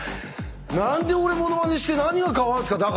何で俺ものまねして何が変わるんすか？